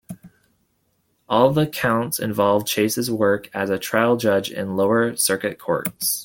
All the counts involved Chase's work as a trial judge in lower circuit courts.